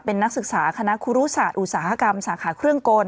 เป็นนักศึกษาคณะครูรุศาสตร์อุตสาหกรรมสาขาเครื่องกล